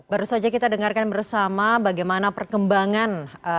baru saja kita dengarkan bersama bagaimana perkembangan